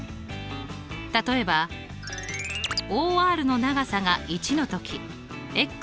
例えばＯＲの長さが１のときは１。